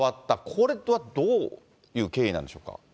これはどういう経緯なんでしょうか。